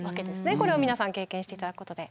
これを皆さん経験して頂くことで。